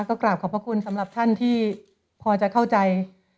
ก็กราบขอบพระคุณสำหรับท่านที่พอจะเข้าใจ